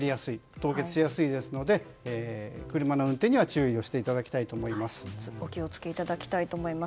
凍結しやすいですので車の運転には注意していただきたいと思います。